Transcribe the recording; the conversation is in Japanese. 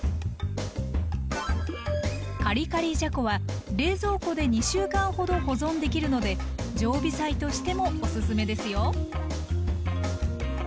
カリカリじゃこは冷蔵庫で２週間ほど保存できるので常備菜としてもおすすめですよ。